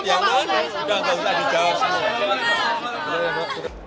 jangan jawab ya udah gak usah di jawab